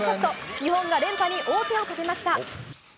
日本が連覇に王手をかけました。